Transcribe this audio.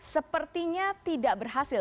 sepertinya tidak berhasil